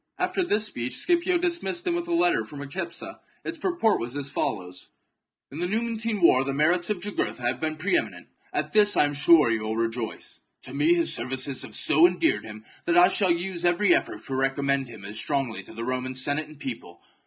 After this speech Scipio dismissed him with chap. a letter for Micipsa. Its purport was as follows :—" In the Numantine war the merits of Jugurtha have been pre eminent ; at this I am sure you will rejoice. To me his services have so endeared him that I shall use every effort to recommend him as strongly to the Roman Senate and people.